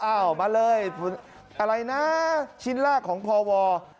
อ้าวมาเลยอะไรนะชิ้นแรกของพอวอร์